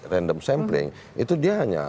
random sampling itu dia hanya